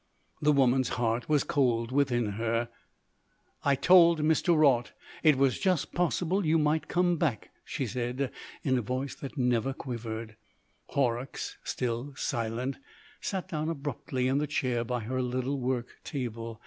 The woman's heart was cold within her. "I told Mr. Raut it was just possible you might come back," she said, in a voice that never quivered. Horrocks, still silent, sat down abruptly in the chair by her little work table.